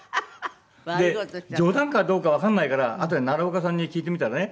冗談かどうかわかんないからあとで奈良岡さんに聞いてみたらね